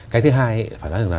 cái thứ hai phải nói rằng là